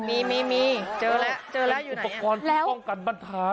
มีมีมีเจอแล้วมีอุปกรณ์ป้องกันบ้านท้าย